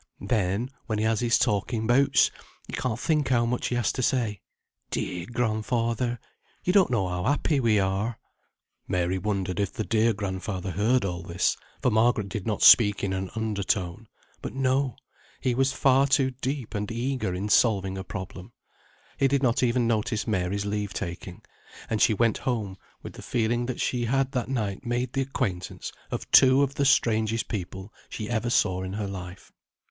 Then, when he has his talking bouts, you can't think how much he has to say. Dear grandfather! you don't know how happy we are!" Mary wondered if the dear grandfather heard all this, for Margaret did not speak in an under tone; but no! he was far too deep and eager in solving a problem. He did not even notice Mary's leave taking, and she went home with the feeling that she had that night made the acquaintance of two of the strangest people she ever saw in her life.